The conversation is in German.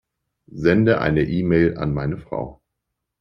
Sende eine E-Mail an meine Frau.